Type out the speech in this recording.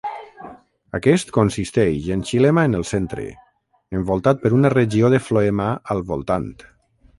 Aquest consisteix en xilema en el centre, envoltat per una regió de floema al voltant.